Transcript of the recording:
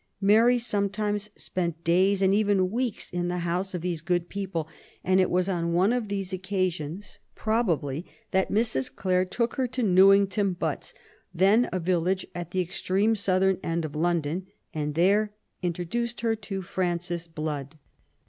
Mary sometimes spent days and even weeks in the house of these good people ; and it was on one of these occa sions^ probably, that Mrs. Clare took her to Newington Butts, then a village at the extreme southern end of London^ and there introduced her to Frances Blood.